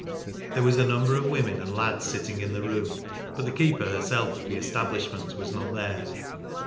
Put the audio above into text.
There was a number of women and lads sitting in the room, but the keeper herself of the establishment was not there.